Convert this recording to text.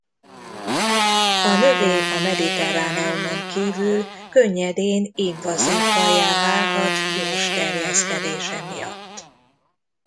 A növény a Mediterráneumon kívül könnyedén invazív fajjá válhat gyors terjeszkedése miatt.